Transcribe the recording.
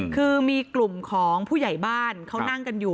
คือมีกลุ่มของผู้ใหญ่บ้านเขานั่งกันอยู่